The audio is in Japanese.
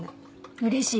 うれしい？